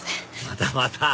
またまた！